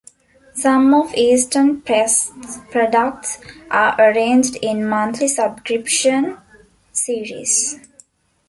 Some of Easton Press's products are arranged in monthly subscription series.